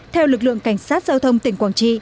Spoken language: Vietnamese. theo lực lượng cảnh sát giao thông tỉnh quảng trị